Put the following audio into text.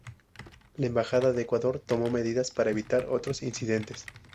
La embajada de Ecuador tomó medidas para evitar otros incidentes.